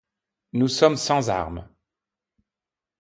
Nous sommes sans armes !